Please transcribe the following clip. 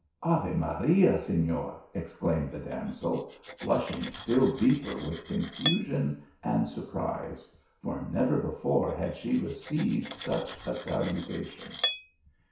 " Ave Maria! Sefior !" exclaimed the damsel, blushing still deeper with confusion and surprise, for never before had she received such a salutation.